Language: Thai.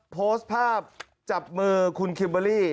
โพสต์ภาพจับมือคุณคิมเบอร์รี่